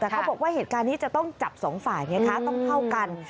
แต่เขาบอกว่าเหตุการณ์นี้จะต้องจับสองฝ่ายไงคะต้องเท่ากัน